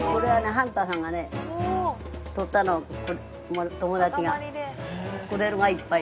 ハンターさんがとったのを友達がくれるがいっぱい。